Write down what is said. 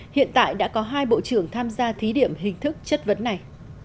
hiện tại đã có hai bộ trưởng tham gia thí điểm hình thức chất vấn này